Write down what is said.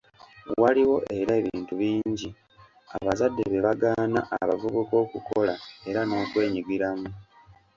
Waliwo era ebintu bingi abazadde bye bagaana abavubuka okukola era n'okwenyigiramu.